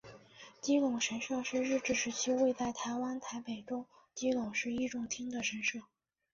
基隆神社是日治时期位在台湾台北州基隆市义重町的神社。